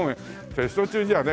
テスト中じゃあね。